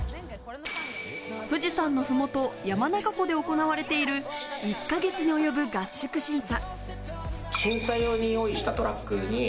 富士山の麓、山中湖で行われている１か月に及ぶ合宿審査。